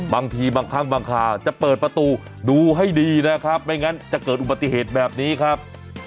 บางทีบางครั้งบางคราวจะเปิดประตูดูให้ดีนะครับไม่งั้นจะเกิดอุบัติเหตุแบบนี้ครับ